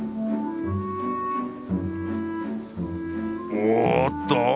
おっと！